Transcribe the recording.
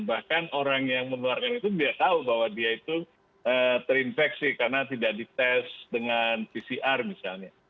bahkan orang yang menularkan itu dia tahu bahwa dia itu terinfeksi karena tidak dites dengan pcr misalnya